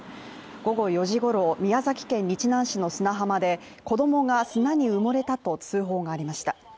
午後４時ごろ、宮崎県日南市の砂浜で子供が砂に埋もれたと通報がありました。